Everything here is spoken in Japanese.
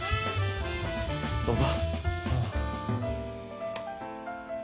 どうぞ。